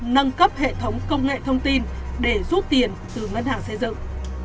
nâng cấp hệ thống công nghệ thông tin để rút tiền từ ngân hàng xây dựng